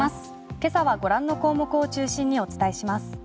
今朝はご覧の項目を中心にお伝えします。